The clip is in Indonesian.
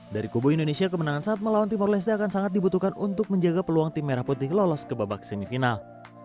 dari kubu indonesia kemenangan saat melawan timor leste akan sangat dibutuhkan untuk menjaga peluang tim merah putih lolos ke babak semifinal